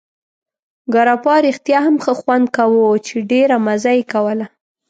ګراپا رښتیا هم ښه خوند کاوه، چې ډېره مزه یې کوله.